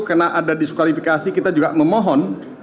karena ada diskualifikasi kita juga memohon